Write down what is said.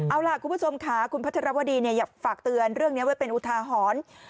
เอาล่ะคุณผู้ชมค่ะคุณพัทรวดีเนี่ยอย่าฝากเตือนเรื่องนี้ว่าเป็นอุทาหอน